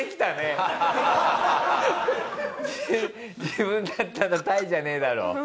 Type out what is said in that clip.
自分だったら「タイじゃねえだろ」。